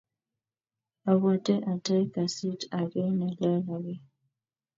Abwate atai kasit ange nelel ake